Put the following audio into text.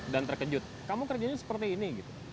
dan terkejut kamu kerjanya seperti ini